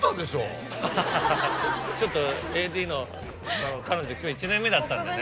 ちょっとＡＤの彼女１年目だったんでね。